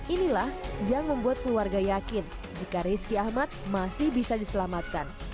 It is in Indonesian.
inilah yang membuat keluarga yakin jika rizky ahmad masih bisa diselamatkan